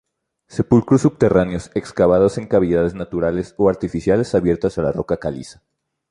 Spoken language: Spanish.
Sepulcros subterráneos excavados en cavidades naturales o artificiales abiertas a la roca caliza.